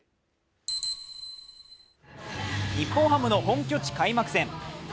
日本ハムの本拠地開幕戦。